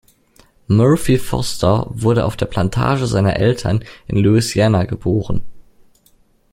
Murphy Foster wurde auf der Plantage seiner Eltern in Louisiana geboren.